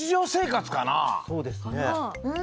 そうですね。かな？